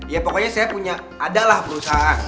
ya pokoknya saya punya adalah perusahaan